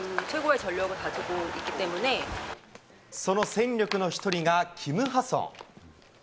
その戦力の一人がキム・ハソン。